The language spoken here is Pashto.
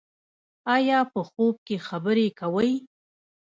ایا په خوب کې خبرې کوئ؟